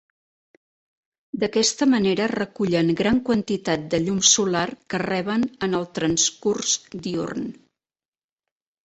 D'aquesta manera recullen gran quantitat de llum solar que reben en el transcurs diürn.